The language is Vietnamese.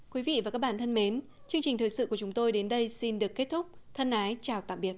quý vị và các bạn thân mến chương trình thời sự của chúng tôi đến đây xin được kết thúc thân ái chào tạm biệt